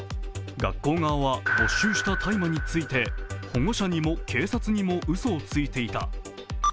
学校側は没収した大麻について保護者にも警察にもうそをついていた。